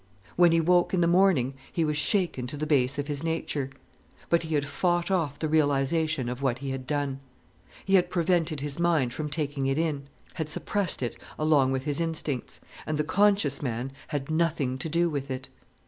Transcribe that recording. When he woke in the morning he was shaken to the base of his nature. But he had fought off the realization of what he had done. He had prevented his mind from taking it in, had suppressed it along with his instincts, and the conscious man had nothing to do with it.